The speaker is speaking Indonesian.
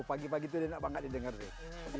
pagi pagi itu enak banget didengar sih